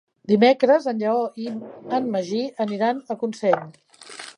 Dimecres en Lleó i en Magí aniran a Consell.